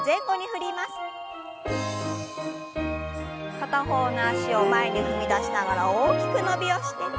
片方の脚を前に踏み出しながら大きく伸びをして。